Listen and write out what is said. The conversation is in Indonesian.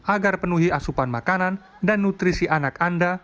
agar penuhi asupan makanan dan nutrisi anak anda